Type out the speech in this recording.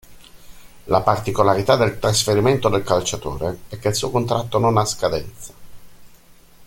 La particolarità del trasferimento del calciatore è che il suo contratto non ha scadenza.